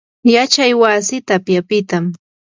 yachay wasi tapyapitam.